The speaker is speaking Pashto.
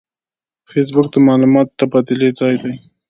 فېسبوک د معلوماتو د تبادلې ځای دی